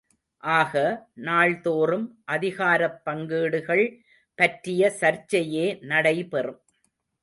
ஆக, நாள்தோறும் அதிகாரப் பங்கீடுகள் பற்றிய சர்ச்சையே நடைபெறும்.